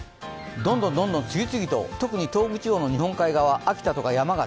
どんどん次々と特に東北地方の日本海側、秋田とか山形